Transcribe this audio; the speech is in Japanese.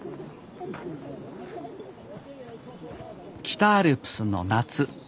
北アルプスの夏。